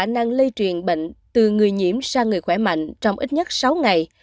đang lây truyền bệnh từ người nhiễm sang người khỏe mạnh trong ít nhất sáu ngày